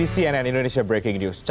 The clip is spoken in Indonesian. cnn indonesia breaking news